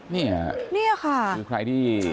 นี่เหรอคะนี่ค่ะคือใครที่